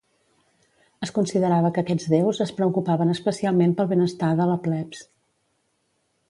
Es considerava que aquests déus es preocupaven especialment pel benestar de la "plebs".